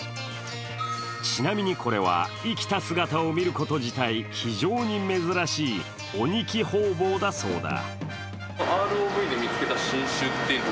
ちなみにこれは、生きた姿を見ること自体非常に珍しいオニキホウボウだそうだ。